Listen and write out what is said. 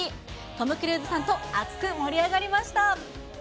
トム・クルーズさんと熱く盛り上がりました。